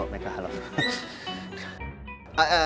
ini meka anaknya ibu aisyah